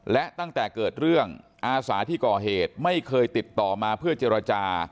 และตั้งแต่เกิดเรื่องอาสาที่ก่อเหตุไม่เคยติดต่อมาเพื่อเจรจา